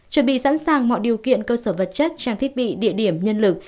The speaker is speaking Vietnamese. chuẩn bị sẵn sàng mọi điều kiện cơ sở vật chất trang thiết bị địa điểm nhân lực